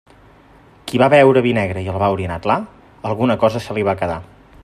Qui va beure vi negre i el va orinar clar, alguna cosa se li va quedar.